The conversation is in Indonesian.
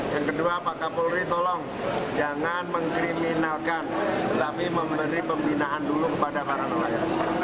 yang kedua pak kapolri tolong jangan mengkriminalkan tapi memberi pembinaan dulu kepada para nelayan